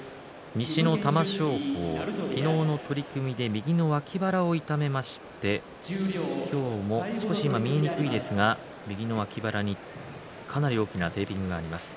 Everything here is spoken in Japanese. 西の玉正鳳、昨日の取組で右の脇腹を痛めまして今日も少し、見えにくいんですが右の脇腹にかなり大きなテーピングがあります。